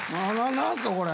何すかこれ。